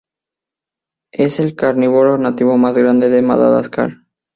Es el carnívoro nativo más grande de Madagascar.